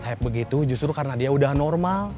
saya begitu justru karena dia udah normal